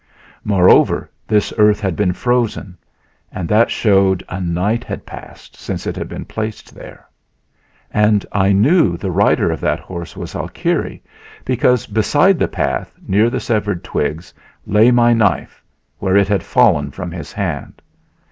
Moreover, this earth had been frozen, and that showed a night had passed since it had been placed there. And I knew the rider of that horse was Alkire because, beside the path near the severed twigs lay my knife, where it had fallen from his hand.